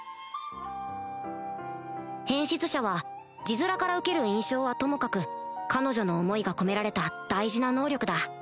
「変質者」は字面から受ける印象はともかく彼女の想いが込められた大事な能力だ